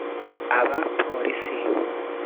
aba polisi